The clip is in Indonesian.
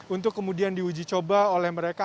untuk kemudian diuji coba oleh mereka